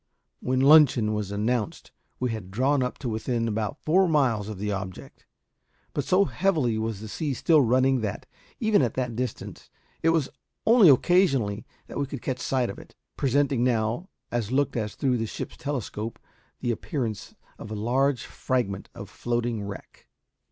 When luncheon was announced we had drawn up to within about four miles of the object; but so heavily was the sea still running that, even at that distance, it was only occasionally that we could catch sight of it, presenting now, as looked at through the ship's telescope, the appearance of a large fragment of floating wreck.